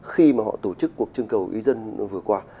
khi mà họ tổ chức cuộc trưng cầu ý dân vừa qua